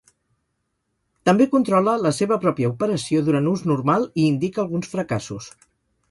També controla la seva pròpia operació durant ús normal i indica alguns fracassos.